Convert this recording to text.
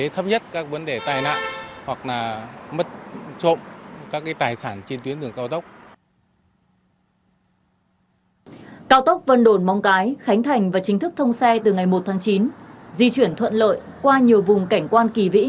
trong kỳ nghỉ lễ quốc khánh năm nay mỗi ngày cao tốc vân đồn mong cái đón trên một mươi lượt phương tiện lưu thông trên tuyến